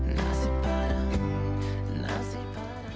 nasi padang nasi padang